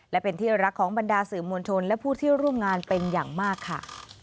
และเป็นที่รักของบรรดาสื่อมวลชนและผู้ที่ร่วมงานเป็นอย่างมากค่ะ